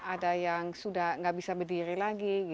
ada yang sudah tidak bisa berdiri lagi